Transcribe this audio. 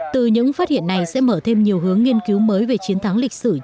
từ những phát hiện này sẽ mở thêm nhiều hướng nghiên cứu mới về chiến thắng lịch sử